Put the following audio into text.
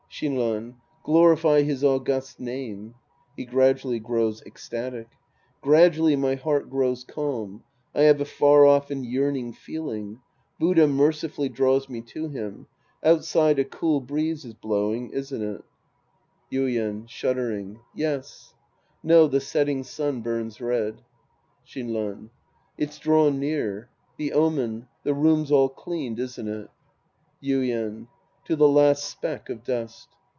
Shinran. Glorify his august name. {He gradually p ows ecstatic^) Gradually my heart grows calm. I have a far off and yearning feeling. Buddha merci fully draws me to him. Outside a cool breeze is blowing, isn't it ? 234 The Priest and His Disciples Act Vl Yuieii {shuddering). Yes. No, the setting sun burns red. Shinran. It's drawn near. The omen, — the room's all cleaned, isn't it ? Yuien. To the last speck of dust.